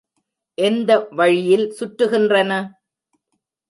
எந்த வழியில் சுற்றுகின்றன?